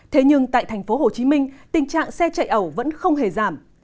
thế nhưng tại tp hcm tình trạng xe chạy ẩu vẫn không hề giảm